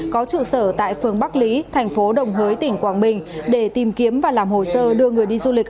có trụ sở tại phương bắc lý thành phố đồng hới tỉnh quảng bình để tìm kiếm và làm hồ sơ đưa người đi du lịch